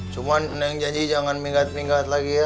cuma neng janji jangan minggat ningkat lagi ya